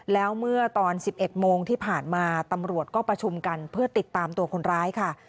แล้วเมื่อตอน๑๑โมงที่ผ่านมาตำรวจก็ประชุมกันเพื่อติดตามตัวคนร้ายค่ะ